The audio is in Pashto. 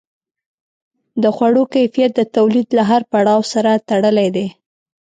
د خوړو کیفیت د تولید له هر پړاو سره تړلی دی.